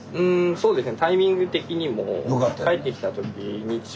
そうですね。